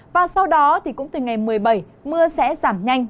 và sau đó thì cũng từ ngày một mươi bảy mưa sẽ giảm nhanh